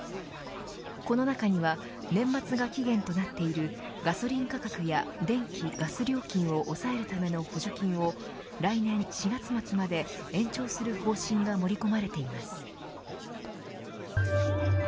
この中には年末が期限となっているガソリン価格や電気・ガス料金を抑えるための補助金を来年４月末まで延長する方針が盛り込まれています。